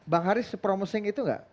bang haris promosing itu enggak